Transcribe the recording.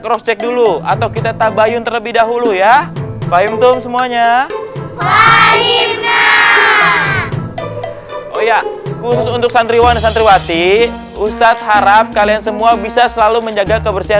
oh ya khusus untuk santriwan dan santriwati ustadz harap kalian semua bisa selalu menjaga kebersihan